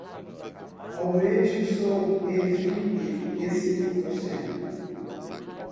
Aumente o som em vinte e cinco porcento.